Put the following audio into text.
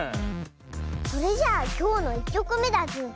それじゃあきょうの１きょくめだズー。